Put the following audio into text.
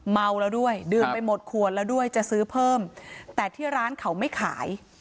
เมาแล้วด้วยดื่มไปหมดขวดแล้วด้วยจะซื้อเพิ่มแต่ที่ร้านเขาไม่ขาย